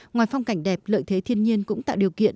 ngoài phong cảnh đẹp lợi thế thiên nhiên cũng tạo điều kiện